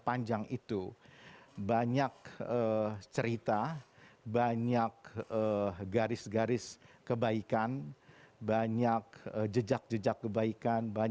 jangan lupa untuk berikan duit dan berikan duit kepada tuhan